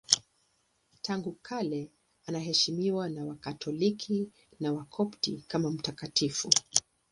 Tangu kale anaheshimiwa na Wakatoliki na Wakopti kama mtakatifu.